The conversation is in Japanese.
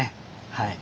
はい。